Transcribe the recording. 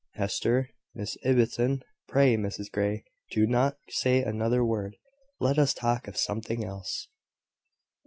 "Hester! Miss Ibbotson! Pray, Mrs Grey, do not say another word. Let us talk of something else."